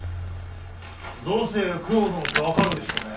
どうして九郎殿って分かるんでしょうね。